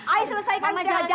ayah selesaikan secara jantan ayah